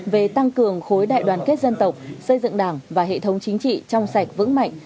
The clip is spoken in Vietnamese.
về tăng cường khối đại đoàn kết dân tộc xây dựng đảng và hệ thống chính trị trong sạch vững mạnh